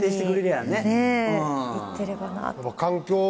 行ってればなと。